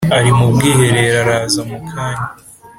ari mu bwiherero araza mukanya.